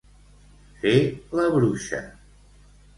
Fer la bruixa.